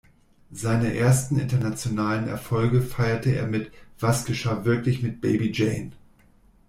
Seine ersten internationalen Erfolge feierte er mit "Was geschah wirklich mit Baby Jane?